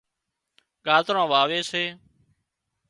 ڳازران واوي سي